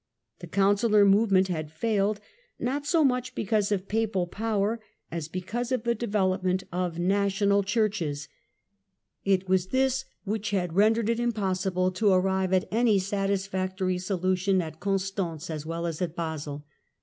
The Concihar movement had failed, not so much because of Papal power, as because of the development of national 180 THE END OF THE IVtIDDLE AGE Churches. It was this which had rendered it impos sible to arrive at any satisfactory solution at Constance as well as at Basle.